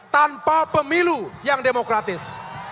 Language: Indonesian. tanpa pemilu yang demokratis